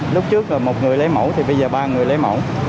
lúc trước một người lấy mẫu thì bây giờ ba người lấy mẫu